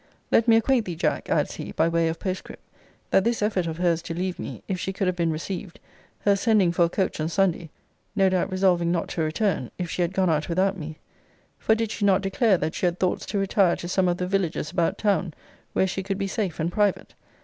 Let me acquaint thee, Jack, adds he, by way of postscript, that this effort of hers to leave me, if she could have been received; her sending for a coach on Sunday; no doubt, resolving not to return, if she had gone out without me, (for did she not declare that she had thoughts to retire to some of the villages about town, where she could be safe and private?)